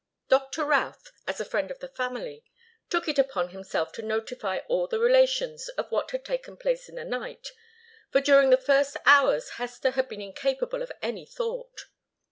Doctor Routh, as a friend of the family, took it upon himself to notify all the relations of what had taken place in the night, for during the first hours Hester had been incapable of any thought.